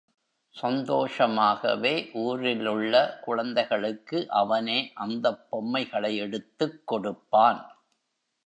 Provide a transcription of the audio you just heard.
சந்தோஷமாகவே ஊரிலுள்ள குழந்தைகளுக்கு அவனே அந்தப் பொம்மைகளை எடுத்துக் கொடுப்பான்.